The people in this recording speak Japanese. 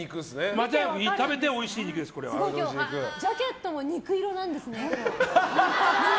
間違いなくジャケットも肉色なんですね。